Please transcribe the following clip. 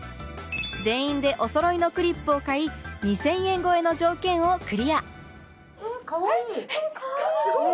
全員でおそろいのクリップを買い２０００円超えの条件をクリアかわいい！